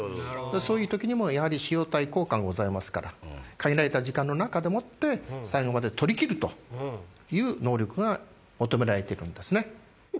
そういう時にもやはり費用対効果がございますから限られた時間の中でもって最後まで撮りきるという能力が求められているんですね。